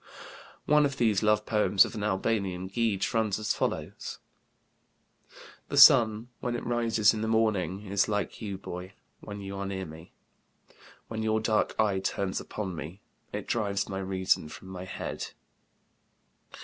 One of these love poems of an Albanian Gege runs as follows: "The sun, when it rises in the morning, is like you, boy, when you are near me. When your dark eye turns upon me, it drives my reason from my head."